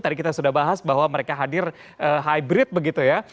tadi kita sudah bahas bahwa mereka hadir hybrid begitu ya